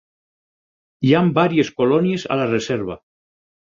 Hi han varies colònies a la reserva.